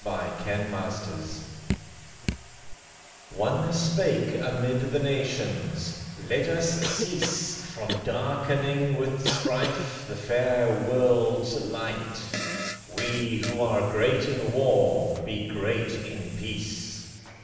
Disarmament One spake amid the nations, "Let us cease From darkening with strife the fair World's light, We who are great in war be great in peace.